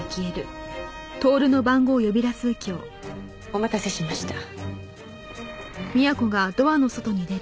お待たせしました。